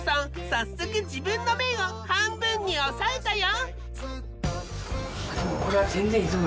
早速自分の麺を半分に抑えたよ。